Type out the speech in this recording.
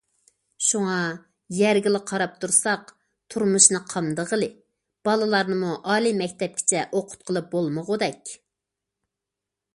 شۇڭا يەرگىلا قاراپ تۇرساق تۇرمۇشنى قامدىغىلى، بالىلارنىمۇ ئالىي مەكتەپكىچە ئوقۇتقىلى بولمىغۇدەك.